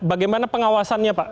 bagaimana pengawasannya pak